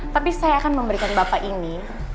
tapi saya akan memberikan bapak ini